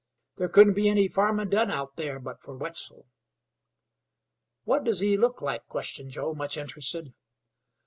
There couldn't be any farmin' done out there but fer Wetzel." "What does he look like?" questioned Joe, much interested.